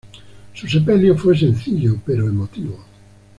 Su sepelio fue sencillo pero emotivo.